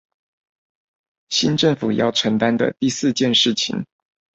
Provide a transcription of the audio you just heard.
新政府要承擔的第四件事情